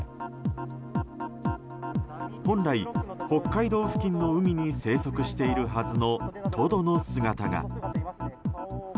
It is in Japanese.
本来、北海道付近の海に生息しているはずのトドの姿が。